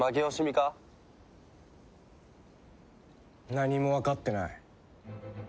何もわかってない。